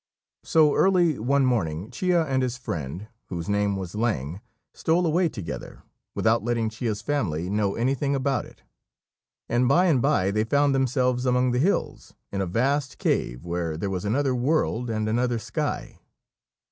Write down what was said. ] So early one morning Chia and his friend, whose name was Lang, stole away together, without letting Chia's family know anything about it; and by and by they found themselves among the hills, in a vast cave where there was another world and another sky.